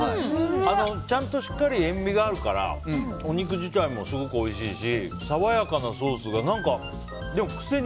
ちゃんとしっかり塩みがあるからお肉自体もすごくおいしいしご飯食べたい。